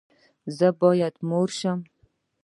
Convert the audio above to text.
ایا زه باید مور شم؟